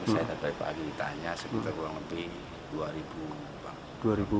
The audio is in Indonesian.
saya dari pagi ditanya sebutan kurang lebih dua bangku